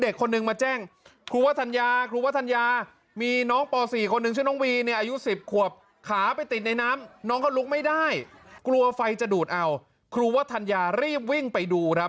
ครูวัฒนยารรีบวิ่งไปดูครับ